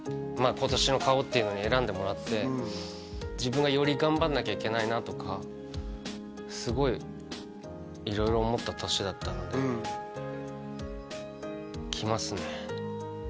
今年の顔っていうのに選んでもらって自分がより頑張んなきゃいけないなとかすごい色々思った年だったのできますね